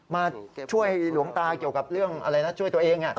มาช่วยหลวงตาเกี่ยวกับเรื่องอะไรนะช่วยตัวเอง